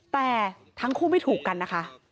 แต่ทั้งคู่ไม่ถูกกันนะคะ